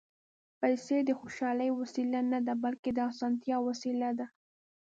پېسې د خوشالۍ وسیله نه ده، بلکې د اسانتیا وسیله ده.